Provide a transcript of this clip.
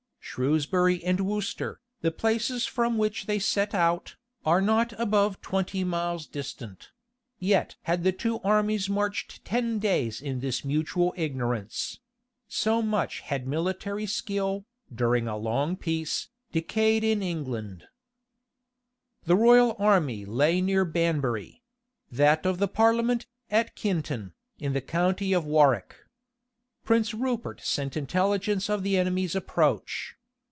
Shrewsbury and Worcester, the places from which they set out, are not above twenty miles distant; yet had the two armies marched ten days in this mutual ignorance: so much had military skill, during a long peace, decayed in England.[] * Whitlocke, p. 59. Clarendon, vol. iii, p. 27, 28, etc. Clarendon, vol. iii. p. 44. The royal army lay near Banbury; that of the parliament, at Keinton, in the county of Warwick. Prince Rupert sent intelligence of the enemy's approach.